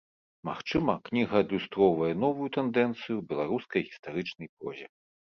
Магчыма, кніга адлюстроўвае новую тэндэнцыю ў беларускай гістарычнай прозе.